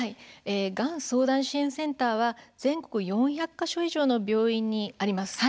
がん相談支援センターは全国４００か所以上の病院にあります。